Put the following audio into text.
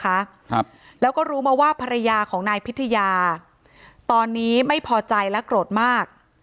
ครับแล้วก็รู้มาว่าภรรยาของนายพิทยาตอนนี้ไม่พอใจและโกรธมาก